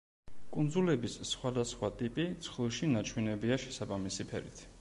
კუნძულების სხვადასხვა ტიპი ცხრილში ნაჩვენებია შესაბამისი ფერით.